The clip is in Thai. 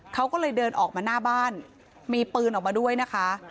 เขาก็เลยเดินออกมาหน้าบ้านมีปืนออกมาด้วยนะคะ